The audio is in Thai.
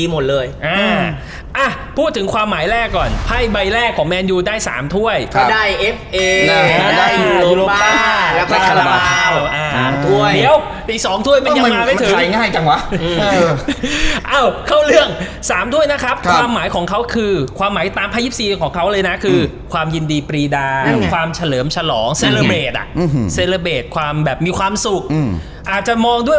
ดีหมดเลยอ่าอ้าพูดถึงความหมายแรกก่อนไพามายแรกของแมนยูได้สามถ้วย